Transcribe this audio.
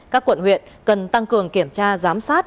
các quận huyện cần tăng cường kiểm tra giám sát